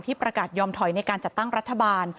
ประกาศยอมถอยในการจัดตั้งรัฐบาล